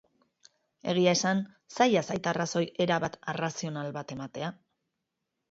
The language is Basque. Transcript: Egia esan, zaila zait arrazoi erabat arrazional bat ematea.